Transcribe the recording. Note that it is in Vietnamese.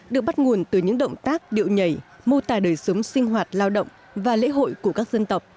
được bắt nguồn từ những động tác điệu nhảy mô tài đời sống sinh hoạt lao động và lễ hội của các dân tộc